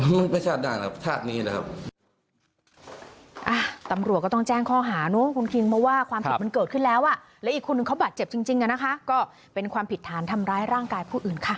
ไม่ชาติด่างนะครับชาตินี้นะครับ